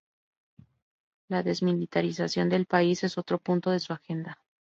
La desmilitarización del país es otro punto de su agenda.